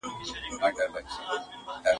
o څه زه بد وم، څه دښمنانو لاسونه راپسي وټکول.